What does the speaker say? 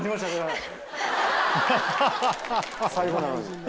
最後なのに。